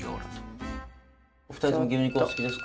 お二人とも牛肉はお好きですか？